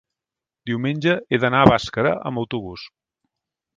diumenge he d'anar a Bàscara amb autobús.